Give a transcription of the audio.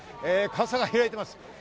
傘が開いています。